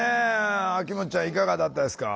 あきもっちゃんいかがだったですか？